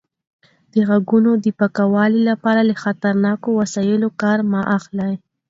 د غوږونو د پاکولو لپاره له خطرناکو وسایلو کار مه اخلئ.